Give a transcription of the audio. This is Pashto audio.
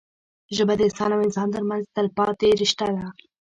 ژبه د انسان او انسان ترمنځ تلپاتې رشته ده